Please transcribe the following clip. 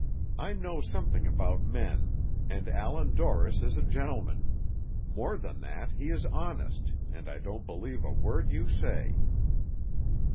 I know something about men, and Allan Dorris is a gentleman; more than that, he is honest, and I don't believe a word you say."